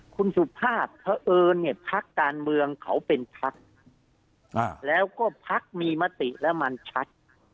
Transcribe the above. คุณสุภาพเพราะเอิญเนี่ยพักการเมืองเขาเป็นพักแล้วก็พักมีมติแล้วมันชัด